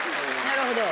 なるほど。